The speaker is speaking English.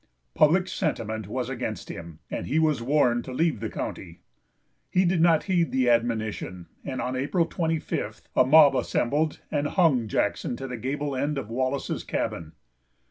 Public sentiment was against him, and he was warned to leave the county. He did not heed the admonition, and on April 25th a mob assembled, and hung Jackson to the gable end of Wallace's cabin.